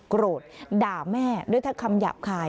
โกรธด่าแม่ด้วยถ้าคำหยาบคาย